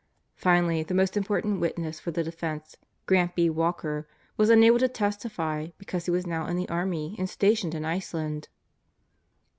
finally, the most important witness for the defense, Grant B. Walker, was unable to testify because he was now in the army and stationed in Iceland.